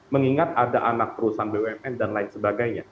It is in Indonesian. mengingat ada anak perusahaan bumn dan lain sebagainya